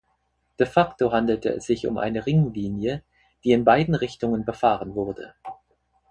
De facto handelte es sich um eine Ringlinie, die in beiden Richtungen befahren wurde.